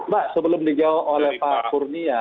mbak sebelum dijawab oleh pak kurnia